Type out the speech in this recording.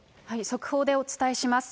速報でお伝えします。